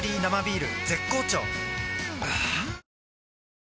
絶好調